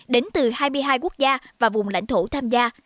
đến từ hai mươi hai quốc gia và vùng lãnh thổ tham gia